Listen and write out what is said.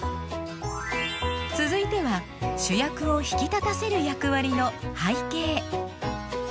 続いては主役を引き立たせる役割の「背景」。